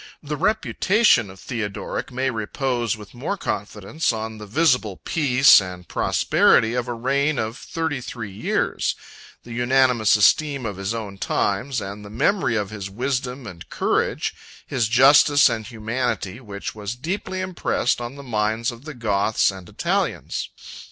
The reputation of Theodoric may repose with more confidence on the visible peace and prosperity of a reign of thirty three years; the unanimous esteem of his own times, and the memory of his wisdom and courage, his justice and humanity, which was deeply impressed on the minds of the Goths and Italians.